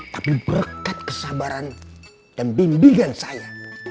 tapi berkat kesabaran dan bimbingan saya